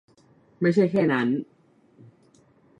ไม่ใช่แค่นั้น